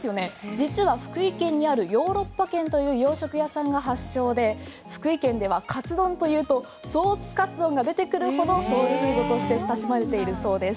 実は福井県にあるヨーロッパ軒という洋食屋さんが発祥で福井県ではカツ丼というとソースカツ丼が出てくるほどソウルフードとして親しまれているそうです。